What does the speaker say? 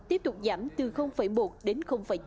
tiếp tục giảm từ một đến chín